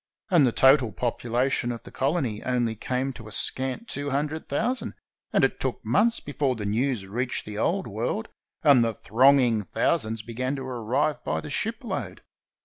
And the total population of the colony only came to a scant two hun dred thousand, and it took months before the news reached the Old World and the thronging thousands began to arrive by the shipload.